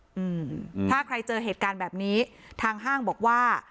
อืมถ้าใครเจอเหตุการณ์แบบนี้ทางห้างบอกว่า